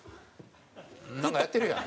なんかやってるやん。